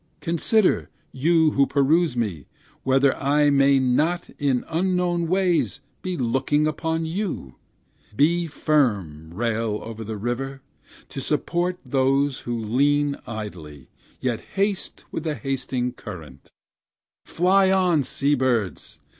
Consider, you who peruse me, whether I may not in unknown ways be looking upon you: Be firm, rail over the river, to support those who lean idly, yet haste with the hasting current; Fly on, sea birds!